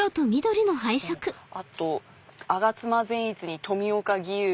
あと我妻善逸に冨岡義勇に。